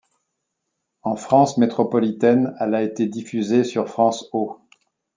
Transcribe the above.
En France métropolitaine, elle a été diffusée sur France Ô.